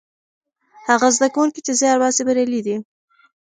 هغه زده کوونکي چې زیار باسي بریالي دي.